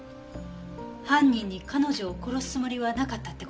犯人に彼女を殺すつもりはなかったってことね？